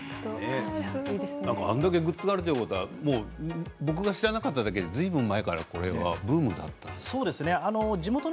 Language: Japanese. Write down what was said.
あれだけグッズがあるということは僕が知らなかっただけでずいぶん前からブームだったんですね。